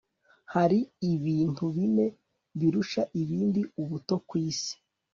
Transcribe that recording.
hari ibintu bine birusha ibindi ubuto ku isi